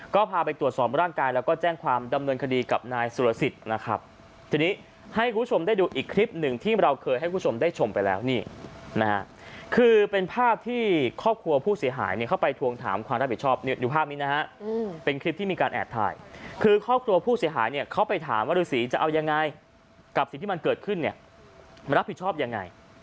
กับนายสุรสิทธิ์นะครับที่นี้ให้คุณชมได้ดูอีกคลิปหนึ่งที่เราเคยให้คุณชมได้ชมไปแล้วนี่นะคือเป็นภาพที่ครอบครัวผู้เสียหายเข้าไปทวงถามความรับผิดชอบอยู่ภาพนี้นะฮะเป็นคลิปที่มีการแอดถ่ายคือครอบครัวผู้เสียหายเนี่ยเขาไปถามว่าลูกสีจะเอายังไงกับสิ่งที่มันเกิดขึ้นเนี่ยรับผิดชอบยัง